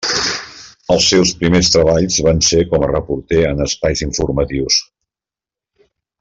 Els seus primers treballs van ser com a reporter en espais informatius.